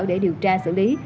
để điều tra xử lý